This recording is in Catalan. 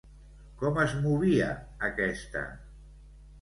Com es movia aquesta?